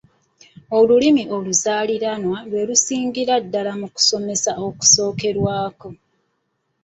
Olulimi oluzaaliranwa lwe lusingira ddala mu kusomesa okusookerwako.